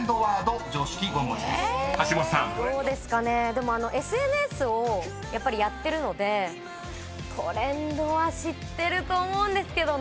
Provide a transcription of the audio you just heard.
でもＳＮＳをやっぱりやってるのでトレンドは知ってると思うんですけどね。